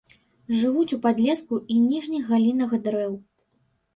Жывуць у падлеску і ніжніх галінах дрэў.